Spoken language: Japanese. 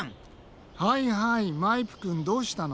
はいはいマイプくんどうしたの？